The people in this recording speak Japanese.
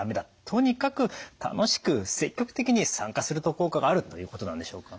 とにかく楽しく積極的に参加すると効果があるということなんでしょうか？